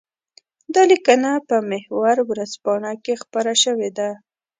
دا ليکنه په محور ورځپاڼه کې خپره شوې ده.